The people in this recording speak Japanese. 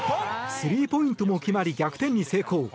スリーポイントも決まり逆転に成功。